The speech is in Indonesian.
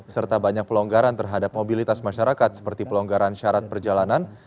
serta banyak pelonggaran terhadap mobilitas masyarakat seperti pelonggaran syarat perjalanan